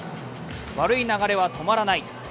悪い流れは止まらない。